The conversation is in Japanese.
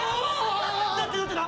だってだってな！